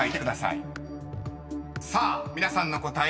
［さあ皆さんの答え